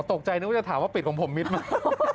อ๋อตกใจนึกว่าจะถามว่าปีดของผมมิสมา